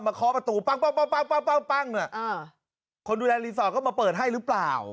เคาะประตูปั้งคนดูแลรีสอร์ทก็มาเปิดให้หรือเปล่า